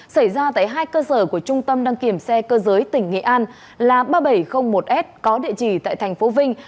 xảy ra tại hai cơ sở của trung tâm đăng kiểm xe cơ giới tỉnh nghệ an là ba nghìn bảy trăm linh một s có địa chỉ tại tp vinh